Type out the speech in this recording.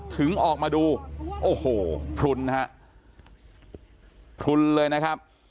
ถึงออกมาดูโอ้โหพลุนฮะพลุนเลยนะครับ